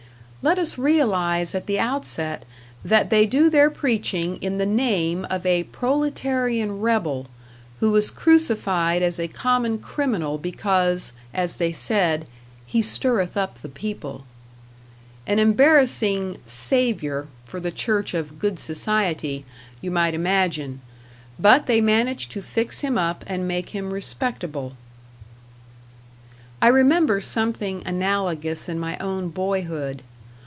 Let us realize at the outset that they do their preaching in the name of a proletarian rebel, who was crucified as a common criminal because, as they said, "He stirreth up the people." An embarrassing "Savior" for the church of Good Society, you might imagine; but they manage to fix him up and make him respectable. I remember something analogous in my own boyhood.